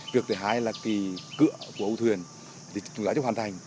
việc thứ hai là kỳ cựa của âu thuyền thì chúng ta chưa hoàn thành